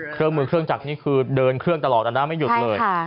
เครื่องมือเครื่องจักรนี่คือเดินเครื่องตลอดนะไม่หยุดเลย